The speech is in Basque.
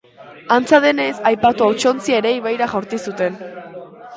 Antza denez, aipatu hautsontzia ere ibaira jaurti zuten.